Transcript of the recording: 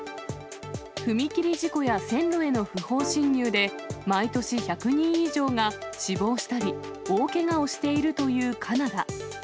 踏切事故や線路への不法侵入で、毎年１００人以上が死亡したり、大けがをしているというカナダ。